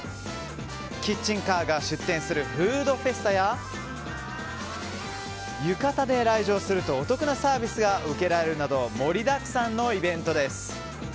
キッチンカーが出店するフードフェスタや浴衣で来場するとお得なサービスが受けられるなど盛りだくさんのイベントです。